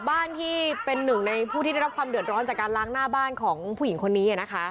บ้านที่เป็นหนึ่งในผู้ที่ได้รับความเดือดร้อนจากการล้างหน้าบ้านของผู้หญิงคนนี้นะคะ